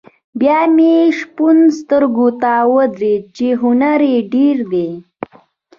بیا مې شپون سترګو ته ودرېد چې هنر یې ډېر دی.